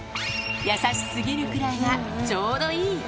優しすぎるくらいがちょうどいい。